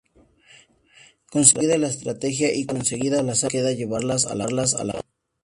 Conseguida la estrategia, y conseguidas las armas, sólo queda llevarlas a la batalla.